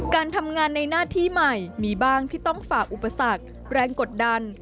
การทำงานในหน้าที่ใหม่มีบ้างที่ต้องฝากอุปสรรคแรงกดดัน